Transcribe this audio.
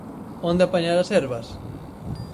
Onde apañar as herbas?